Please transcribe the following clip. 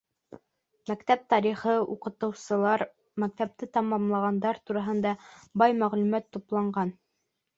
Мәктәп тарихы, уҡытыусылар, мәктәпте тамамлағандар тураһында бай мәғлүмәт тупланған.